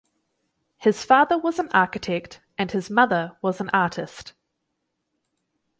His father was an architect and his mother was an artist.